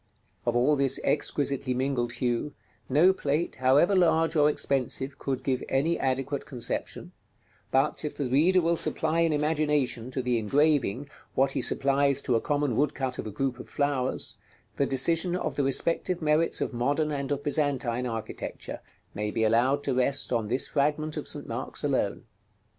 Of all this exquisitely mingled hue, no plate, however large or expensive, could give any adequate conception; but, if the reader will supply in imagination to the engraving what he supplies to a common woodcut of a group of flowers, the decision of the respective merits of modern and of Byzantine architecture may be allowed to rest on this fragment of St. Mark's alone.